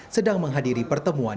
sedang menghadiri pertemuan